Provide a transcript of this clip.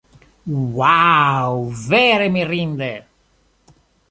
Ŭaŭ, vere mirinde!